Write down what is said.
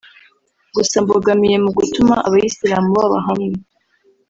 Gusa Mbogamiye mu gutuma Abayisilamu baba bamwe